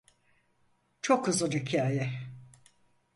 Çok uzun hikaye.